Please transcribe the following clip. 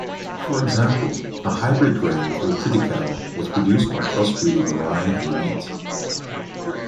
For example, a hybrid grain called triticale was produced by crossbreeding rye and wheat.